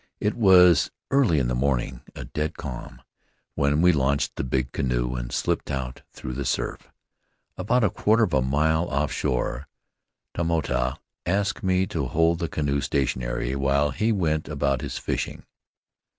It was early in the morning — a dead calm — when we launched the big canoe and slipped out through the surf. About a quarter of a mile offshore Tamatoa asked me to hold the canoe stationary while he went about his fishing.